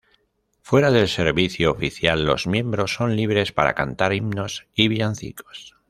Fuera del servicio oficial, los miembros son libres para cantar himnos y villancicos.